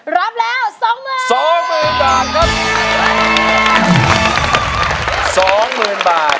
รับแล้ว๒๐๐๐๐บาท